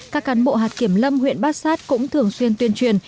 các cán bộ hạt kiểm lâm huyện bát sát cũng thường xuyên tuyên truyền